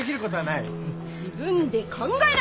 自分で考えな！